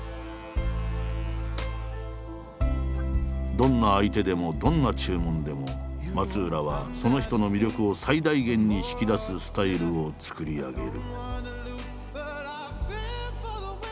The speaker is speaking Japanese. どんな相手でもどんな注文でも松浦はその人の魅力を最大限に引き出すスタイルを作り上げる。